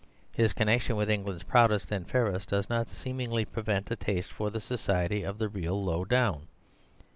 His con nection with England's proudest and fairest does not seemingly prevent a taste for the society of the real low down.